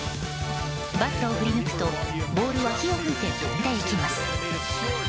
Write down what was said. バットを振り抜くと、ボールは火を噴いて飛んでいきます。